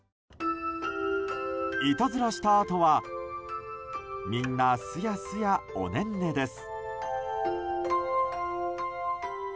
いたずらしたあとはみんなスヤスヤ、おねんねです。